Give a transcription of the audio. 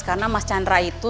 karena mas chandra itu